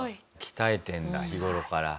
鍛えてるんだ日頃から。